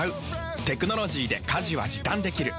テクノロジーで家事は時短できる。